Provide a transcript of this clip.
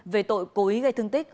về tội cố ý gây thương tích